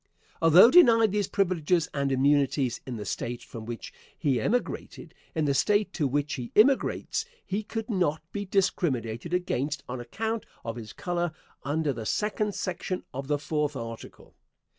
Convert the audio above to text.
Although denied these privileges and immunities in the State from which he emigrated, in the State to which he immigrates he could not be discriminated against on account of his color under the second section of the fourth article.